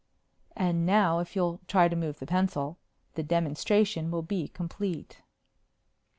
"And now, if you'll try to move the pencil, the demonstration will be complete."